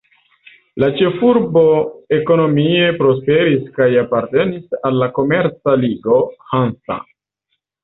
La ĉefurbo ekonomie prosperis kaj apartenis al la komerca ligo Hansa.